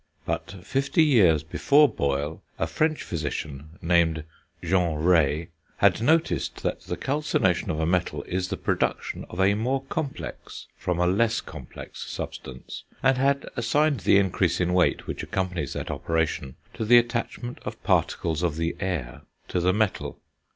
But fifty years before Boyle, a French physician, named Jean Rey, had noticed that the calcination of a metal is the production of a more complex, from a less complex substance; and had assigned the increase in weight which accompanies that operation to the attachment of particles of the air to the metal.